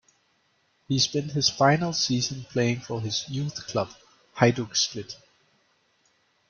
He spent his final season playing for his youth club, Hajduk Split.